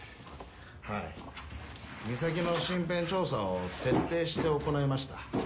はいミサキの身辺調査を徹底して行いました。